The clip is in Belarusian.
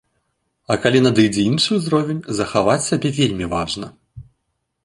А калі надыдзе іншы ўзровень, захаваць сябе вельмі важна.